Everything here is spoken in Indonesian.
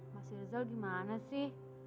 mas irjal gimana sih